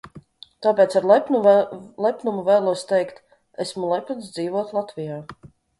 Tāpēc ar lepnumu vēlos teikt: esmu lepns dzīvot Latvijā!